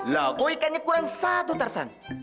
lah kok ikannya kurang satu tarzan